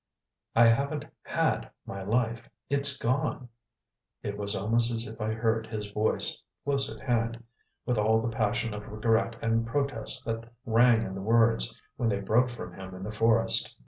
"I haven't HAD my life. It's gone!" It was almost as if I heard his voice, close at hand, with all the passion of regret and protest that rang in the words when they broke from him in the forest.